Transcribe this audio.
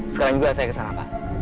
sekarang juga saya kesana pak